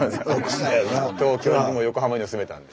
東京にも横浜にも住めたんで。